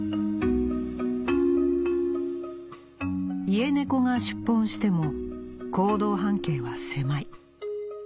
「家猫が出奔しても行動半径は狭い。